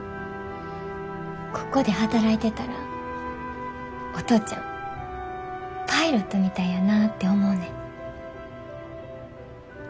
ここで働いてたらお父ちゃんパイロットみたいやなて思うねん。